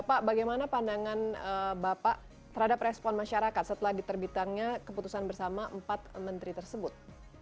pak bagaimana pandangan bapak terhadap respon masyarakat setelah diterbitkannya keputusan bersama empat menteri tersebut